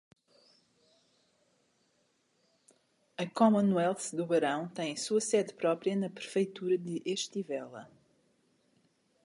A Commonwealth do barão tem sua sede própria na prefeitura de Estivella.